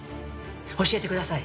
教えてください。